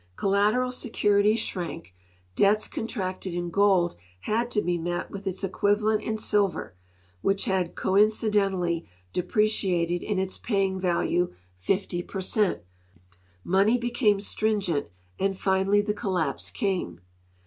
Collateral securities shrank, debts contracted in gold had to be met with its equivalent in silver, which had coincidently de preciated in its paying value 50 per cent; money became stringent and finally the collapse came.